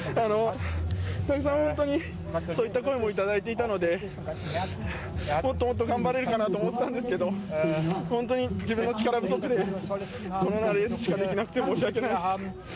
そういった声も頂いていたのでもっともっと頑張れるかなと思っていたんですけど本当に自分の力不足でこのようなレースしかできなくて申し訳ないです。